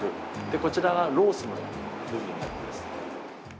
でこちらがロースの部分なんです。